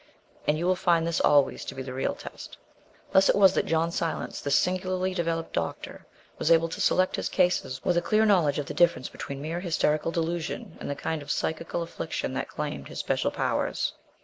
And you will find this always to be the real test." Thus it was that John Silence, this singularly developed doctor, was able to select his cases with a clear knowledge of the difference between mere hysterical delusion and the kind of psychical affliction that claimed his special powers.